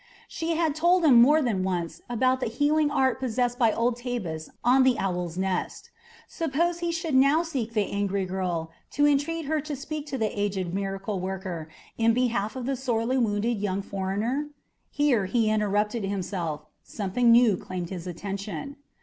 She had told him more than once about the healing art possessed by old Tabus on the Owl's Nest. Suppose he should now seek the angry girl to entreat her to speak to the aged miracle worker in behalf of the sorely wounded young foreigner? Here he interrupted himself; something new claimed his attention.